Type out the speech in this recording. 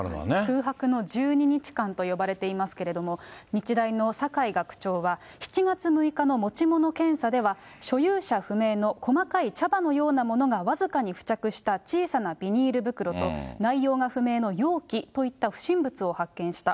空白の１２日間と呼ばれていますけれども、日大の酒井学長は、７月６日の持ち物検査では、所有者不明の細かい茶葉のようなものが僅かに付着した小さなビニール袋と、内容が不明の容器といった不審物を発見した。